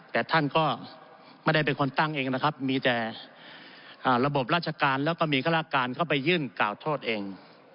แต่ท่านก็ไม่ได้เป็นคนตั้งเองนะครับมีแต่ระบบราชการแล้วก็มีข้าราชการเข้าไปยื่นกล่าวโทษเอง